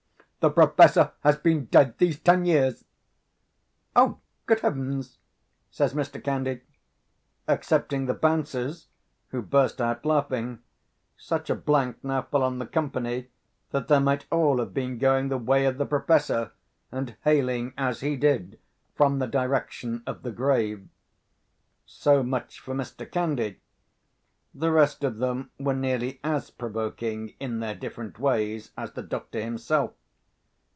"The Professor has been dead these ten years." "Oh, good Heavens!" says Mr. Candy. Excepting the Bouncers, who burst out laughing, such a blank now fell on the company, that they might all have been going the way of the Professor, and hailing as he did from the direction of the grave. So much for Mr. Candy. The rest of them were nearly as provoking in their different ways as the doctor himself.